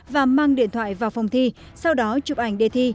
và mang điện thoại vào phòng thi sau đó chụp ảnh đề thi